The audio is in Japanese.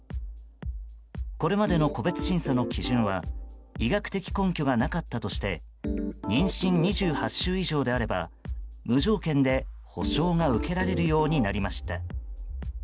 これまでの個別審査の基準は医学的根拠がなかったとして妊娠２８週以上であれば無条件で補償が受けられるようになりました。